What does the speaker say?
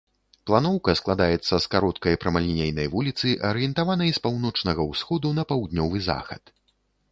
Планоўка складаецца з кароткай прамалінейнай вуліцы, арыентаванай з паўночнага ўсходу на паўднёвы захад.